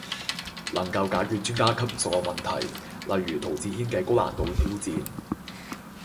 能夠解決專家級數學問題，例如陶哲軒嘅高難度挑戰